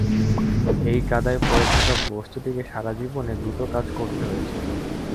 এই কাদায় পড়ে থাকা বস্তুটিকে সারাজীবনে দুটো কাজ করতে হয়েছে।